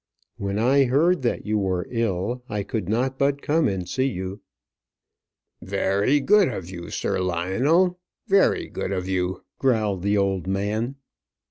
"When I heard that you were ill, I could not but come and see you." "Very good of you, Sir Lionel; very good of you," growled the old man.